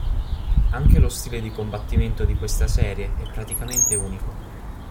Anche lo stile di combattimento di questa serie è praticamente unico.